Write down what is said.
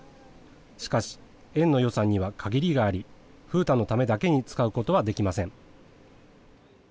しかし、園の予算には限りがあり、風太のためだけに使うことはできません。